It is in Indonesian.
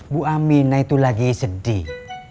bu amina itu lagi sedih